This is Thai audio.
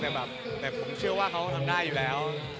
แต่แบบแต่ผมเชื่อว่าเขาทำได้อยู่แล้ว